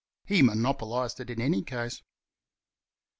He monopolized it in any case.